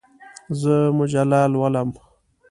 زه مجله لولم.